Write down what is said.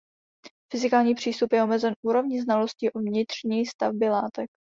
Fyzikální přístup je omezen úrovní znalostí o vnitřní stavbě látek.